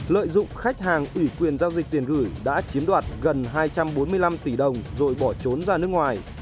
lợi dụng khách hàng ủy quyền giao dịch tiền gửi đã chiếm đoạt gần hai trăm bốn mươi năm tỷ đồng rồi bỏ trốn ra nước ngoài